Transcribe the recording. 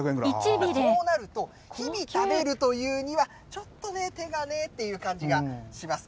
そうなると、日々食べるというには、ちょっとね、手がねっていう感じがします。